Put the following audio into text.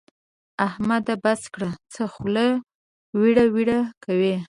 احمده! بس کړه؛ څه خوله ويړه ويړه کوې.